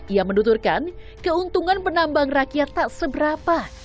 ia menuturkan keuntungan penambang rakyat tak seberapa